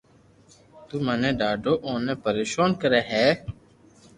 تو مني ڌاڌو اوني پرآݾون ڪري ھي